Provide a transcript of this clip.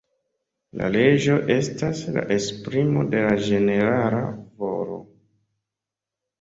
La leĝo estas la esprimo de la ĝenerala volo.